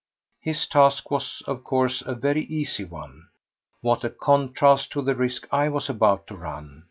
His task was, of course, a very easy one. What a contrast to the risk I was about to run!